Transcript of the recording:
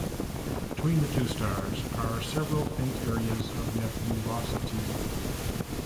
Between the two stars are several faint areas of nebulosity.